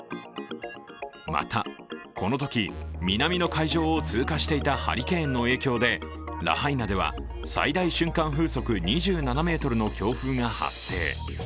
また、このとき、南の海上を通過していたハリケーンの影響でラハイナでは最大瞬間風速２７メートルの強風が発生。